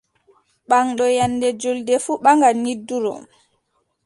Ɓaŋɗo nyannde juulde fuu ɓaŋan nyidduɗo.